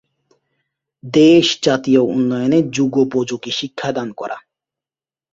দেশ জাতীয় উন্নয়নে যুগোপযোগী শিক্ষা দান করা।